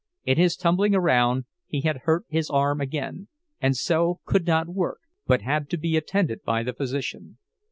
In his tumbling around he had hurt his arm again, and so could not work, but had to be attended by the physician.